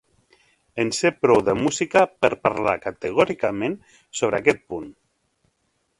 En sé prou, de música, per parlar categòricament sobre aquest punt.